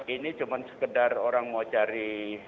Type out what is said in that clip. ini cuma sekedar orang mau cari